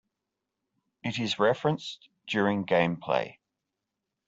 It is referenced during gameplay.